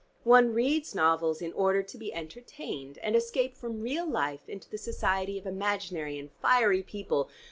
One reads novels in order to be entertained and escape from real life into the society of imaginary and fiery people.